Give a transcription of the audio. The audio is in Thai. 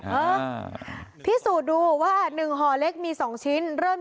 และก็คือว่าถึงแม้วันนี้จะพบรอยเท้าเสียแป้งจริงไหม